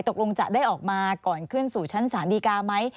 ตกลงจะได้ออกมาก่อนขึ้นสู่ชั้นศาลดีกาไหม